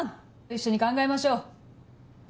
一緒に考えましょう。